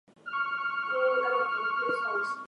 Simple workarounds exist, however.